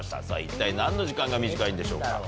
さぁ一体何の時間が短いんでしょうか？